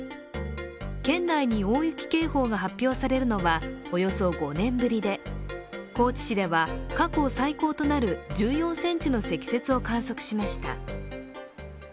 県内に大雪警報が発表されるのは、およそ５年ぶりで高知市では過去最高となる１４ｃｍの積雪を観測しました。